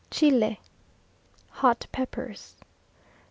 Chile Hot peppers.